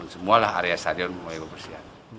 semualah area stadion memiliki kursi